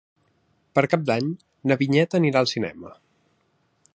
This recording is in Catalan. Per Cap d'Any na Vinyet anirà al cinema.